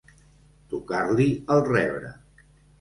Tocar-li el rebre.